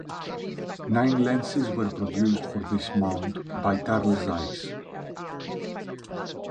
Nine lenses were produced for this mount, by Carl Zeiss.